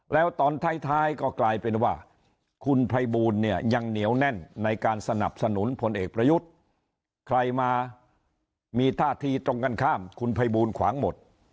แล้วตอนท้ายก็กลายเป็นว่าคุณภัยบูลเนี่ยยังเหนียวแน่นในการสนับสนุนพลเอกประยุทธ์ใครมามีท่าทีตรงกันข้ามคุณภัยบูลขวางหมด